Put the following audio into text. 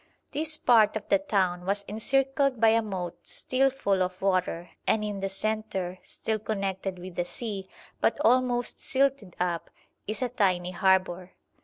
This part of the town was encircled by a moat still full of water, and in the centre, still connected with the sea, but almost silted up, is a tiny harbour.